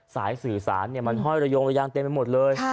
สายสื่อสารมันห้อยระยงระยางเต็มไปหมดเลย